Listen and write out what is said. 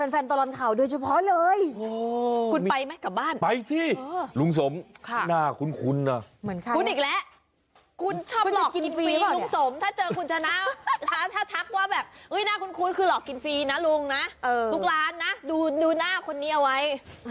นักว่าแบบหน้าคุ้นคือหลอกกินฟรีนะลุงนะทุกร้านนะดูหน้าคนนี้เอาไว้